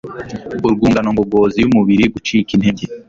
urwungano ngogozi yumubiri gucika intege